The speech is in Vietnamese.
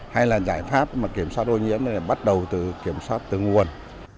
hay là giải pháp mà kiểm soát ô nhiễm này là bắt đầu từ kiểm soát từ nguồn